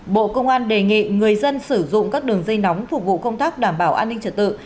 bộ công an đề nghị người dân sử dụng các đường dây nóng phục vụ công tác đảm bảo an ninh trật tự